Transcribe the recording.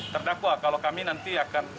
terdakwa kalau kami nanti akan